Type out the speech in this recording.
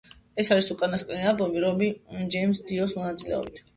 ეს არის უკანასკნელი ალბომი რონი ჯეიმზ დიოს მონაწილეობით.